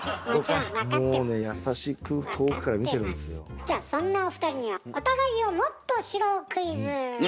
じゃあそんなお二人にはお互いをもっと知ろうクイズ！わ。